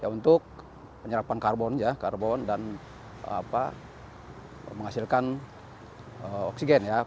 untuk penyerapan karbon dan menghasilkan oksigen